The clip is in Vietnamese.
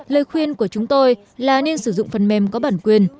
lời khuyên của chúng tôi là nên sử dụng phần mềm có bản quyền